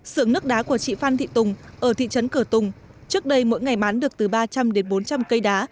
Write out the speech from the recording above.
sưởng nước đá của chị phan thị tùng ở thị trấn cửa tùng trước đây mỗi ngày bán được từ ba trăm linh đến bốn trăm linh cây đá